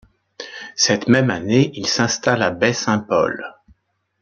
Cette même année, il s'installe à Baie-Saint-Paul.